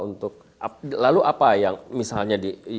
untuk lalu apa yang misalnya di